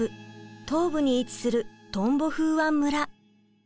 東部に位置するトンボフーワン村。